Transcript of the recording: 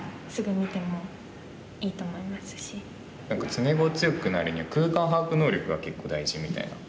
何か詰碁を強くなるには空間把握能力が結構大事みたいな。